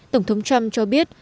tổng thống trump cho biết